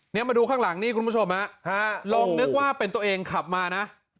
นี่มาดูข้างหลังนี่คุณผู้ชมฮะลองนึกว่าเป็นตัวเองขับมานะ